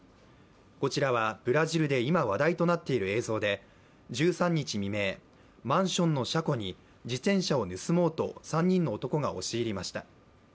こちらはブラジルで今、話題となっている映像で１３日未明、マンションの車庫に自転車を盗もうと３人の男が押し入りました。